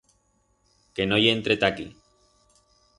Que no i entre ta aquí.